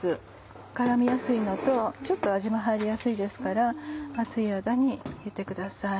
絡みやすいのと味も入りやすいですから熱い間に入れてください。